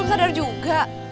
risa belum sadar juga